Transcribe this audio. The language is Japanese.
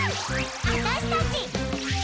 あたしたち。